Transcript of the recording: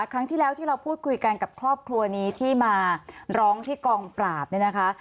ครั้งที่แล้วที่เราพูดคุยกันกับครอบครัวนี้ที่มาร้องที่กองปราบเนี่ยนะคะ